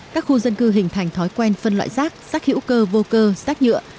các khu dân cư hình thành thói quen phân loại rác rác hữu cơ vô cơ rác nhựa